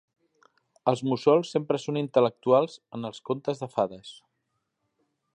Els mussols sempre són intel·lectuals en els contes de fades.